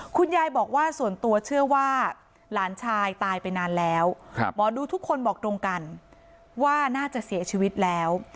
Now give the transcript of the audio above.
คุณยายบอกว่าส่วนตัวเชื่อว่าหลานชายตายไปนานแล้วหมอดูทุกคนบอกตรงกันว่าน่าจะเสียชีวิตแล้ว